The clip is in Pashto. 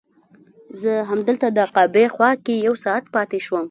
زه همدلته د کعبې خوا کې یو ساعت پاتې شوم.